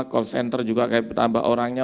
call center juga kayak tambah orangnya